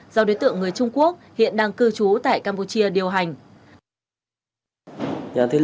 do đối tượng người trung quốc hiện đang cư trú tại campuchia điều hành